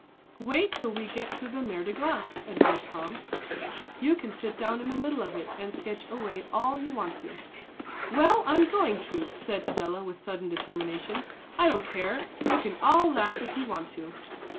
"Wait till we get to the Mer de Glace," advised Tom. "You can sit down in the middle of it, and sketch away all you want to." "Well, I'm going to," said Adela, with sudden determination. "I don't care; you can all laugh if you want to."